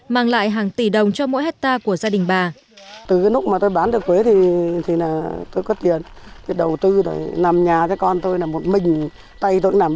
mang lại hàng tỷ đồng cho mỗi hectare của gia đình bà